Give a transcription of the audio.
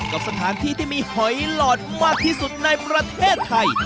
กับสถานที่ที่มีหอยหลอดมากที่สุดในประเทศไทย